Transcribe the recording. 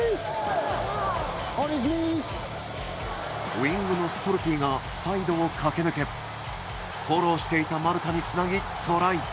ウイングのストルティがサイドを駆け抜けフォローしていたマルタにつなぎ、トライ。